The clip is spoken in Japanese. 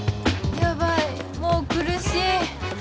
ヤバいもう苦しい